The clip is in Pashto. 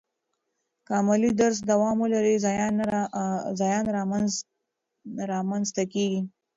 که عملي درس دوام ولري، زیان را منځ ته کیږي.